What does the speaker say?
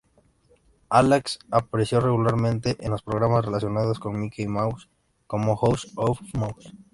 Ajax apareció regularmente en los programas relacionados con Mickey Mouse, como "House of Mouse".